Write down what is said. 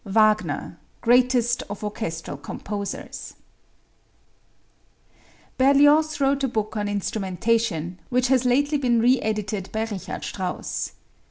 Wagner, Greatest of Orchestral Composers. Berlioz wrote a book on instrumentation, which has lately been re edited by Richard Strauss.